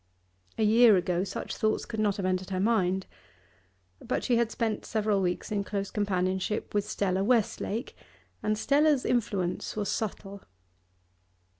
A year ago such thoughts could not have entered her mind. But she had spent several weeks in close companionship with Stella Westlake, and Stella's influence was subtle.